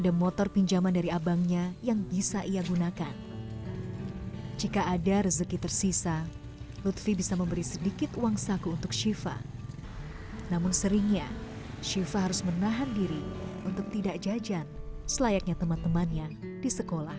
ada motor pinjaman dari abangnya yang bisa ia gunakan jika ada rezeki tersisa lutfi bisa memberi sedikit uang saku untuk syifa namun seringnya syifa harus menahan diri untuk tidak jajan selayaknya teman temannya di sekolah